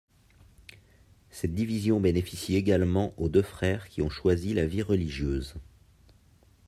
Cette division bénéficie également aux deux frères qui ont choisi la vie religieuse.